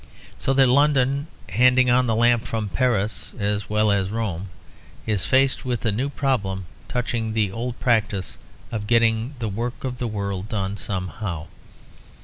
So that London, handing on the lamp from Paris as well as Rome, is faced with a new problem touching the old practice of getting the work of the world done somehow.